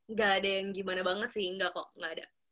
nggak ada yang gimana banget sih enggak kok nggak ada